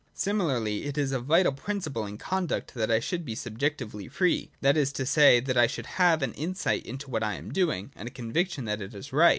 Similarly, it is a vital principle in conduct that I should be sub jectively free, that is to say, that I should have an insight into what I am doing, and a conviction that it is right.